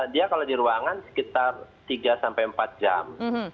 dia kalau di ruangan sekitar tiga sampai empat jam